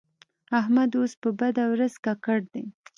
احمد اوس په بده ورځ ککړ دی.